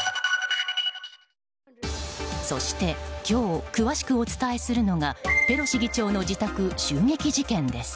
そして今日、詳しくお伝えするのがペロシ議長の自宅襲撃事件です。